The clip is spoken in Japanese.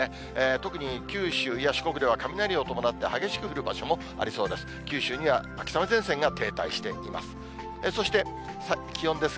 特に九州や四国では雷を伴って激しく降る場所もありそうです。